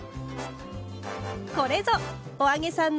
これぞ「“お揚げさん”の底力！」。